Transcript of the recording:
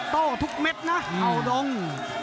โต๊ะทุกเม็ดนะเอาดง